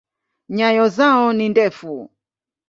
Nyayo zao ni ndefu.